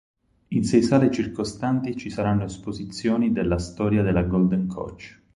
In sei sale circostanti ci saranno esposizioni della storia della Golden Coach.